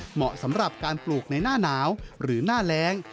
เหมาะสำหรับการปลูกในหน้าหนาวหรือหน้าแรง